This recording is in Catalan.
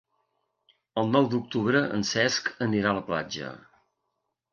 El nou d'octubre en Cesc anirà a la platja.